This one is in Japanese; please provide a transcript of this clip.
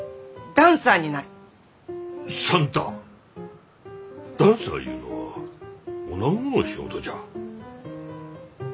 ダンサーいうのはおなごの仕事じゃあ。